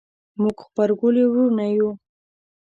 موږ غبرګولي وروڼه یو